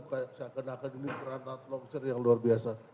saya kena akal ini granat longsir yang luar biasa